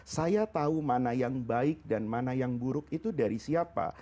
saya tahu mana yang baik dan mana yang buruk itu dari siapa